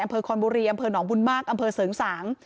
คอนบุรีอำเภอหนองบุญมากอำเภอเสริงสาง